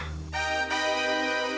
kamu sudah di sini